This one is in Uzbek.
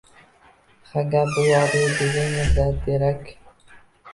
Ha, gap bu yoqda degin, Mirzaterak